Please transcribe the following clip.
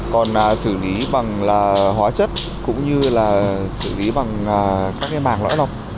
còn xử lý bằng hóa chất cũng như xử lý bằng các bảng lõi lọc